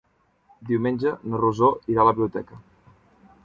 Diumenge na Rosó irà a la biblioteca.